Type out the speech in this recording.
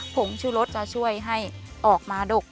ผงชูรสจะช่วยให้ออกมาดก